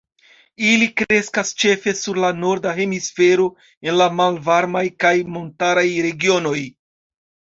Ili kreskas ĉefe sur la norda hemisfero, en la malvarmaj kaj montaraj regionoj.